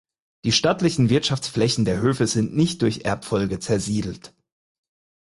Die stattlichen Wirtschaftsflächen der Höfe sind nicht durch Erbfolge zersiedelt.